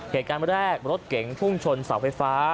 เหตุการณ์แรกรถเก๋งพุ่งชนเสาไฟฟ้า